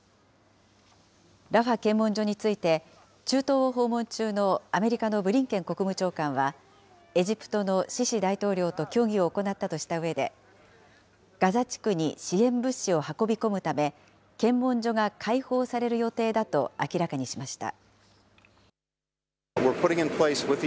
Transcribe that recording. ラファ検問所について、中東を訪問中のアメリカのブリンケン国務長官は、エジプトのシシ大統領と協議を行ったとしたうえで、ガザ地区に支援物資を運び込むため、検問所が開放される予定だと明らかにしました。